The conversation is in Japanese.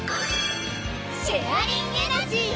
シェアリンエナジー！